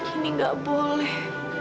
ini nggak boleh